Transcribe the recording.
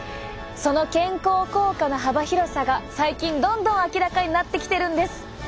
その健康効果の幅広さが最近どんどん明らかになってきてるんです。